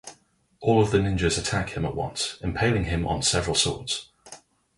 All the ninjas attack him at once, impaling him on several swords.